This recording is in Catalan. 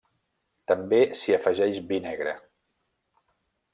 També s'hi afegeix vi negre.